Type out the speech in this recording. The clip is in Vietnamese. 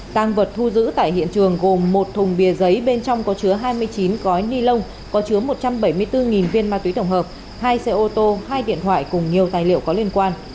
tăng vật thu giữ tại hiện trường gồm một thùng bia giấy bên trong có chứa hai mươi chín gói ni lông có chứa một trăm bảy mươi bốn viên ma túy tổng hợp hai xe ô tô hai điện thoại cùng nhiều tài liệu có liên quan